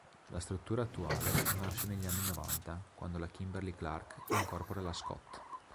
La struttura attuale nasce negli anni novanta, quando la Kimberly-Clark incorpora la Scott.